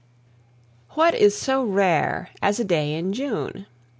What is so rare as a day in June?